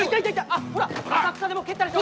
浅草でも蹴ったでしょ。